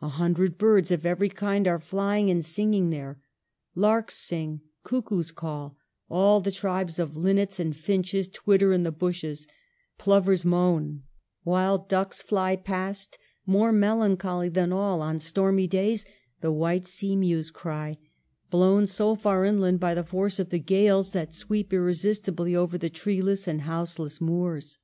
A hundred birds of every kind are flying and singing there. Larks sing ; cuckoos call ; all the tribes of linnets and finches twitter in the bushes ; plovers moan ; wild ducks fly past ; more melancholy than all, on stormy days, the white sea mews cry, blown so far inland by the force of the gales that sweep irresistibly over the treeless and houseless moors.